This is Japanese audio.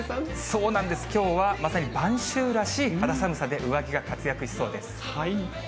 そうなんです、きょうはまさに晩秋らしい肌寒さで、上着が活躍しそうです。